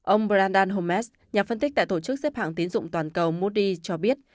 ông brandon homes nhà phân tích tại tổ chức xếp hạng tiến dụng toàn cầu moody cho biết